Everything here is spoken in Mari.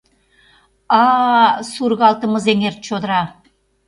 — А-а-а-а!.. — сургалте Мызеҥер чодыра.